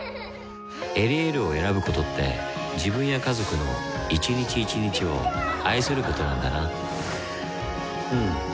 「エリエール」を選ぶことって自分や家族の一日一日を愛することなんだなうん。